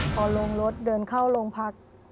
พอลงรถเดินเข้าโรงพัก